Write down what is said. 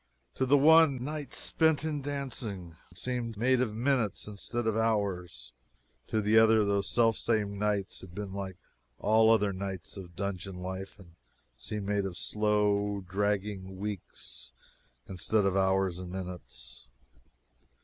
To the one, nights spent in dancing had seemed made of minutes instead of hours; to the other, those selfsame nights had been like all other nights of dungeon life and seemed made of slow, dragging weeks instead of hours and minutes.